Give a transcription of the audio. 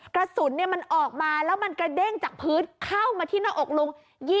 กระสุนมันออกมาแล้วมันกระเด้งจากพื้นเข้ามาที่หน้าอกลุง